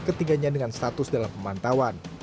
ketiganya dengan status dalam pemantauan